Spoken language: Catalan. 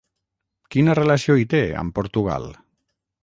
Quina relació hi té, amb Portugal?